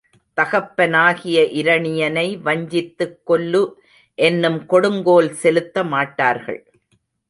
தகப்பனாகிய இரணியனை வஞ்சித்துக் கொல்லு என்னும் கொடுங்கோல் செலுத்த மாட்டார்கள்.